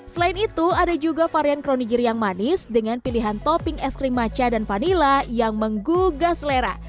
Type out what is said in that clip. selain itu ada juga varian kronigir yang manis dengan pilihan topping es krim maca dan vanila yang menggugah selera